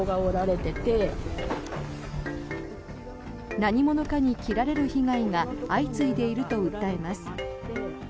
何者かに切られる被害が相次いでいると訴えます。